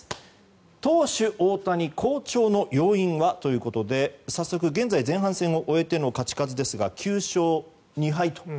投手・大谷、好調の要因は？ということで早速現在、前半戦を終えての勝ち数ですが９勝２敗と。